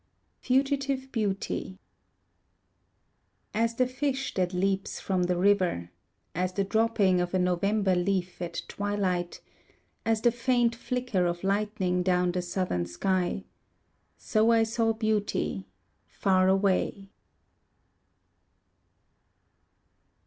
Fugitive Beauty As the fish that leaps from the river, As the dropping of a November leaf at twilight, As the faint flicker of lightning down the southern sky, So I saw beauty, far away.